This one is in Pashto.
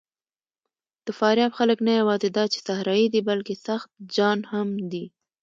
د فاریاب خلک نه یواځې دا چې صحرايي دي، بلکې سخت جان هم دي.